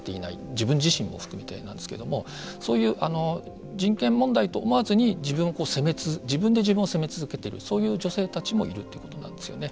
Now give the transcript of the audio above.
自分自身も含めてなんですけどもそういう人権問題と思わずに自分で自分を責め続けているそういう女性たちもいるということなんですよね。